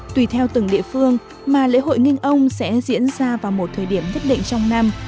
tùy theo từng địa phương mà lễ hội nginh ông sẽ diễn ra vào một thời điểm nhất định trong năm